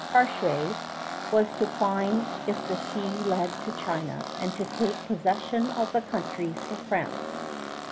Cartier was to find if the sea led to China and to take possession of the countries for France.